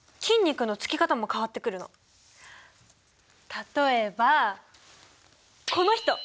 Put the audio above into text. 例えばこの人！